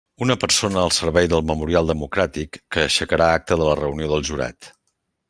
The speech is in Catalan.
Una persona al servei del Memorial Democràtic, que aixecarà acta de la reunió del jurat.